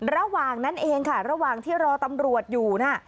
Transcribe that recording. ระหว่างนั้นเองค่ะระหว่างที่รอตำรวจอยู่น่ะ